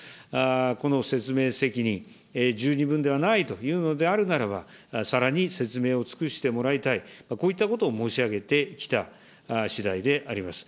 この説明責任、十二分ではないというのであれば、さらに説明を尽くしてもらいたい、こういったことを申し上げてきたしだいであります。